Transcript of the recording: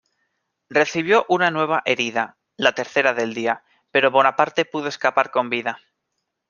Recibió una nueva herida, la tercera del día, pero Bonaparte pudo escapar con vida.